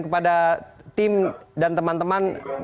kepada tim dan teman teman